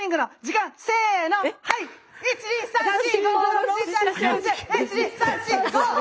１２３４５６７８９１０１２３４５！